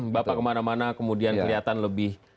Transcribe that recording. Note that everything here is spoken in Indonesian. bapak kemana mana kemudian kelihatan lebih